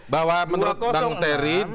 bahwa menurut bang terry